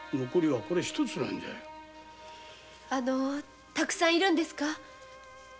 あのたくさんいるんですか？